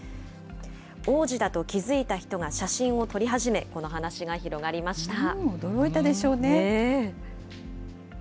王子だと気付いた人が写真を撮り始め、この話が広がりました。